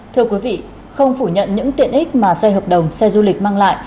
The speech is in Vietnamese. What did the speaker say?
thưa quý vị không phủ nhận những tiện ích mà xe hợp đồng xe du lịch mang lại